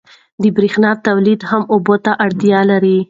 د برېښنا تولید هم اوبو ته اړتیا لري.